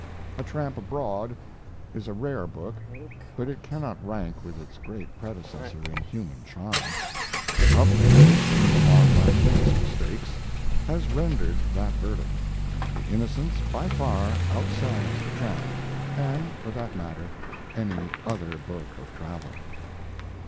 'A Tramp Abroad' is a rare book, but it cannot rank with its great predecessor in human charm. The public, which in the long run makes mistakes, has rendered that verdict. The Innocents by far outsells the Tramp, and, for that matter, any other book of travel.